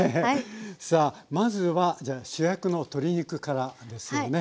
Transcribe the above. さあまずはじゃあ主役の鶏肉からですよね。